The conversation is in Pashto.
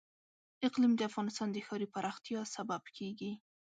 اقلیم د افغانستان د ښاري پراختیا سبب کېږي.